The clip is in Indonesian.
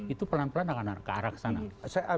itu akan ke arah sana